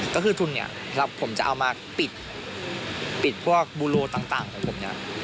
ก็คือทุนเนี่ยผมจะเอามาปิดพวกบูโลต่างของผมเนี่ย